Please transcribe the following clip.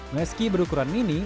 meski berukuran mini